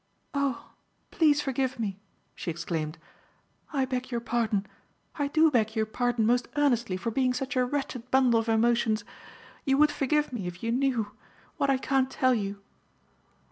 "Oh! please forgive me!" she exclaimed. "I beg your pardon I do beg your pardon most earnestly for being such a wretched bundle of emotions. You would forgive me if you knew what I can't tell you."